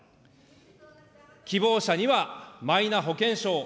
希望者にはマイナ保険証。